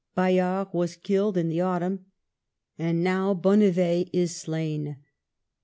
Bayard was killed in the autumn, and now Bonnivet is slain.